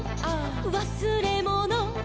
「わすれもの」「」